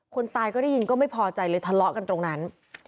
คนตายก็ได้ยินก็ไม่พอใจเลยทะเลาะกันตรงนั้น